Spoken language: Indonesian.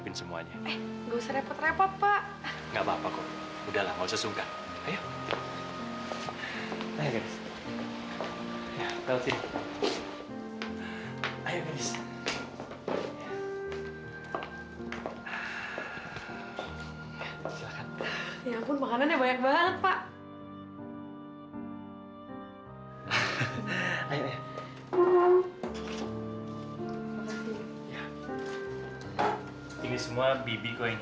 ini semua bibi gue yang nyiapin